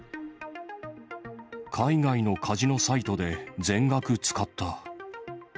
海外のカジノサイトで全額使った。